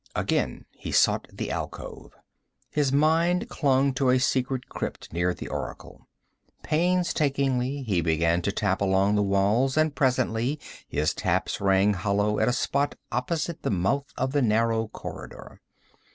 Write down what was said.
Again he sought the alcove. His mind clung to a secret crypt near the oracle. Painstakingly he began to tap along the walls, and presently his taps rang hollow at a spot opposite the mouth of the narrow corridor.